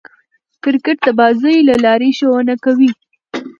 کرکټ د بازيو له لاري ښوونه کوي.